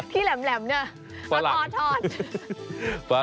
ที่แหลมเนี่ยเอาทอด